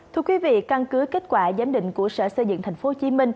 thưa quý vị căn cứ kết quả giám định của sở xây dựng tp hcm